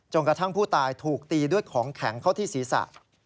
กระทั่งผู้ตายถูกตีด้วยของแข็งเข้าที่ศีรษะ